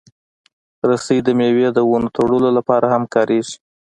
رسۍ د مېوې د ونو تړلو لپاره هم کارېږي.